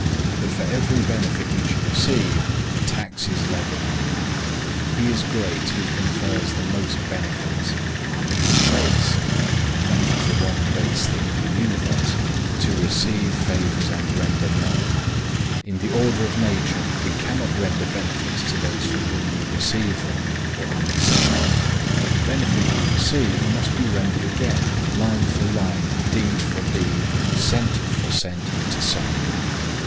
But for every benefit which you receive, a tax is levied. He is great who confers the most benefits. He is base,—and that is the one base thing in the universe,—to receive favors and render none. In the order of nature we cannot render benefits to those from whom we receive them, or only seldom. But the benefit we receive must be rendered again, line for line, deed for deed, cent for cent, to somebody.